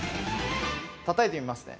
たたいてみますね。